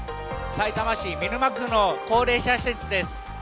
さいたま市見沼区の高齢者施設です。